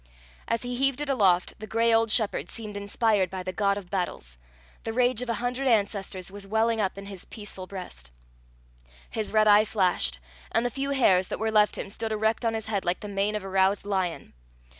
As he heaved it aloft, the gray old shepherd seemed inspired by the god of battles; the rage of a hundred ancestors was welling up in his peaceful breast. His red eye flashed, and the few hairs that were left him stood erect on his head like the mane of a roused lion.